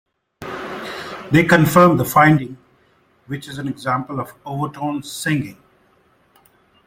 They confirmed the finding, which is an example of overtone singing.